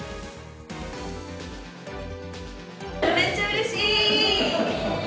めっちゃうれしい！